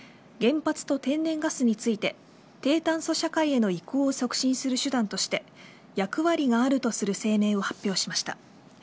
原発と天然ガスについて低炭素社会への移行を促進する手段として役割があるとする声明を発表しました。